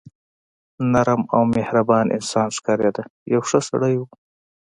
نرم او مهربان انسان ښکارېده، یو ښه سړی و.